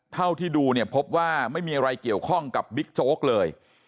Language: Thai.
เท่าที่ดูเนี่ยพบว่าไม่มีอะไรเกี่ยวข้องกับบิ๊กโจ๊กเลย